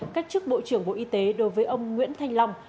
cách chức bộ trưởng bộ y tế đối với ông nguyễn thanh long